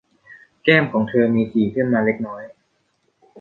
แก้มของเธอ มีสีขึ้นมาเล็กน้อย